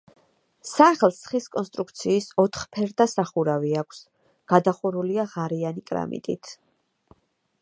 სახლს ხის კონსტრუქციის ოთხფერდა სახურავი აქვს, გადახურულია ღარიანი კრამიტით.